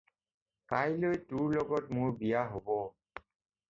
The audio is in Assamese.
কাইলৈ তোৰ লগত মোৰ বিয়া হ'ব।